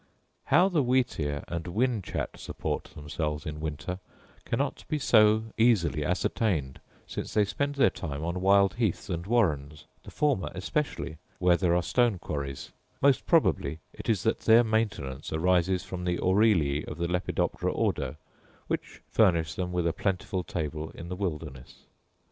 How the wheat ear and whin chat support themselves in winter cannot be so easily ascertained, since they spend their time on wild heaths and warrens; the former especially, where there are stone quarries: most probably it is that their maintenance arises from the aureliae of the lepidoptera ordo, which furnish them with a plentiful table in the wilderness.